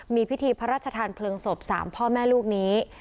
มีพิธีพระราชทานเพลิงศพ๓พ่อแม่ลูกนี้